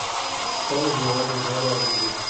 São João do Jaguaribe